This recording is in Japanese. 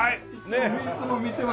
いつも見てます。